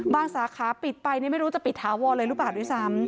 สาขาปิดไปไม่รู้จะปิดถาวรเลยหรือเปล่าด้วยซ้ำ